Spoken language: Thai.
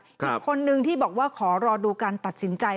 อีกคนนึงที่บอกว่าขอรอดูการตัดสินใจ